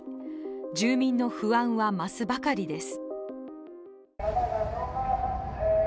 住民の不安は増すばかりです。